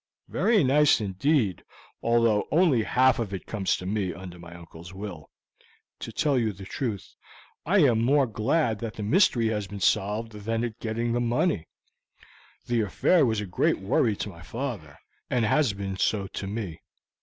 "Very nice indeed, although only half of it comes to me under my uncle's will. To tell you the truth, I am more glad that the mystery has been solved than at getting the money; the affair was a great worry to my father, and has been so to me.